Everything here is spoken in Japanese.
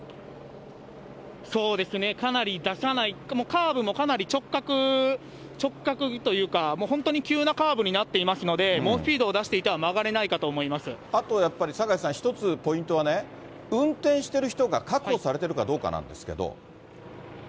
かなり出さない、カーブもかなり直角、直角というか、本当に急なカーブになっていますので、猛スピードを出していたらあとやっぱり、酒井さん、１つポイントはね、運転してる人が確保されてるかどうかなんですけど。